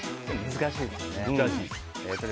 難しいですよね。